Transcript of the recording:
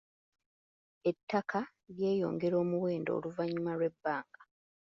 Ettaka lyeyongera omuwendo oluvannyuma lw'ebbanga.